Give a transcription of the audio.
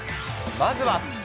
まずは。